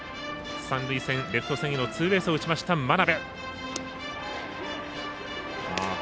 三塁線レフト線へのツーベースを打ちました眞邉。